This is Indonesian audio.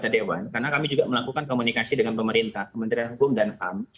dewan karena kami juga melakukan komunikasi dengan pemerintah kementerian hukum dan ham